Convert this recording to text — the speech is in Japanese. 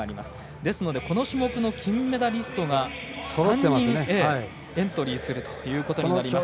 ですので、この種目の金メダリストが３人エントリーすることになります。